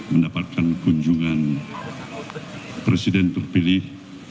mendapatkan kunjungan presiden terpilih